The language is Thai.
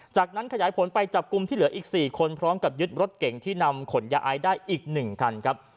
จากนั้นขยายผลไปจับกลุ่มที่เหลืออีก๔คนพร้อมกับยึดรถเก่งที่นำขนยาไอได้อีก๑คันครับ